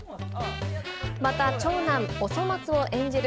また、長男、おそ松を演じる